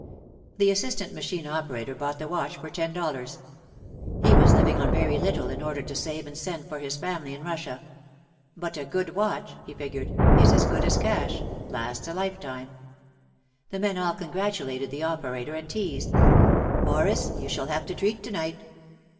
The assistant machine operator bought the watch for ten dollars. He was living on very little in order to save and send for his family in Russia. "But a good watch/' he figured, "is as good as cash, lasts a lifetime. ,, The men all congratulated the operator and teased, "Morris, you shall have to treat to night."